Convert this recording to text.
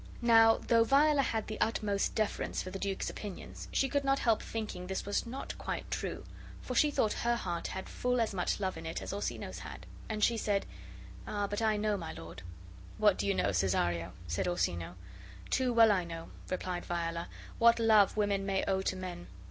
Now, though Viola had the utmost deference for the duke's opinions, she could not help thinking this was not quite true, for she thought her heart had full as much love in it as Orsino's had; and she said: "Ah, but I know, my lord." "What do you know, Cesario?" said Orsino. "Too well I know," replied Viola, "what love women may owe to men.